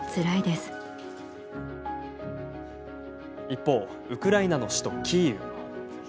一方、ウクライナの首都キーウ。